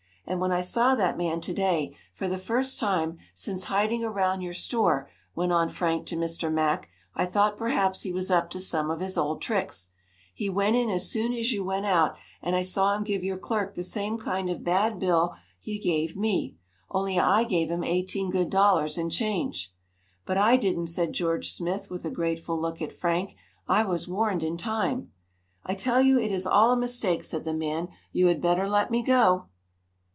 "And when I saw that man, to day, for the first time since, hiding around your store," went on Frank to Mr. Mack, "I thought perhaps he was up to some of his old tricks. He went in as soon as you went out, and I saw him give your clerk the same kind of a bad bill he gave me. Only I gave him eighteen good dollars in change." "But I didn't," said George Smith with a grateful look at Frank. "I was warned in time." "I tell you it is all a mistake," said the man. "You had better let me go."